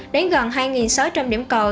đến gần hai sáu trăm linh điểm cầu